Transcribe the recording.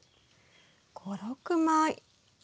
５６枚。